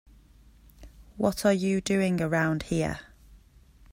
What are you doing around here?